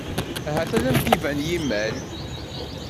Ahat ad am-iban yimal.